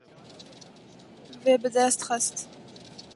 We bi dest xist.